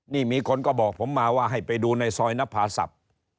นี่มีคนก็บอกผมมาว่าให้ไปดูในซอยนภาศัพท์